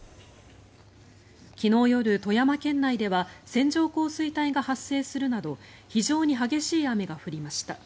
昨日夜、富山県内では線状降水帯が発生するなど非常に激しい雨が降りました。